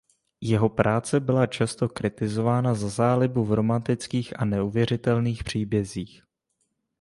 Jeho práce byla často kritizována za zálibu v romantických a neuvěřitelných příbězích.